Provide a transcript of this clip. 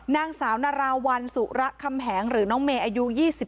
นางสาวนาราวัลสุระคำแหงหรือน้องเมย์อายุ๒๓